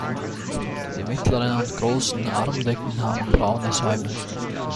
Die mittleren und großen Armdecken haben braune Säume.